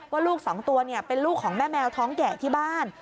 ว่าลูกสองตัวเป็นลูกของแม่แมวท้องแก่ที่บ้าน